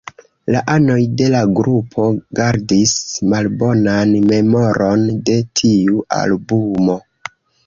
La anoj de la grupo gardis malbonan memoron de tiu albumo.